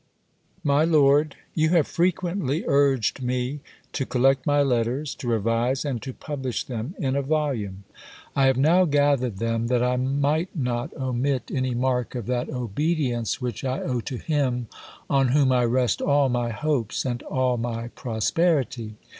MY LORD, You have frequently urged me to collect my letters, to revise and to publish them in a volume. I have now gathered them, that I might not omit any mark of that obedience which I owe to him, on whom I rest all my hopes, and all my prosperity.